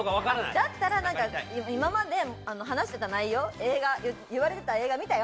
だったら今まで話していた内容、「言われていた映画みたよ！」